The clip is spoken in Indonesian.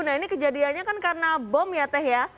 nah ini kejadiannya kan karena bom ya teh ya